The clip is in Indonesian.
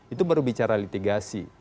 itu baru bicara litigasi